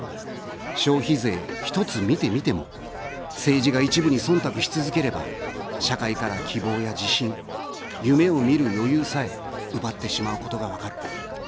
消費税ひとつ見てみても、政治が一部にそんたくし続ければ、社会から希望や自信、夢を見る余裕さえ奪ってしまうことが分かる。